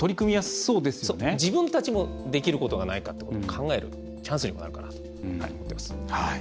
自分たちもできることはないかと考えるチャンスにもなるかなと思います。